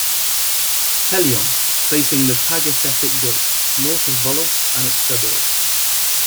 Pelion, facing the Pagasetic Gulf, north of Volos and its suburbs.